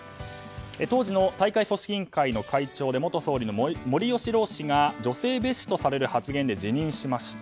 当時の大会組織委員会の会長で元総理の森喜朗氏が女性蔑視と取れる発言で辞任しました。